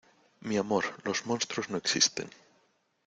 mi amor, los monstruos no existen.